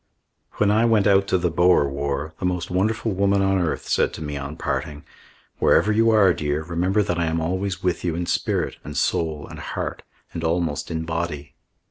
When I went out to the Boer War, the most wonderful woman on earth said to me on parting: "Wherever you are, dear, remember that I am always with you in spirit and soul and heart and almost in body."